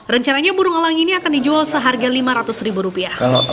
rencananya burung elang ini akan dijual seharga lima ratus ribu rupiah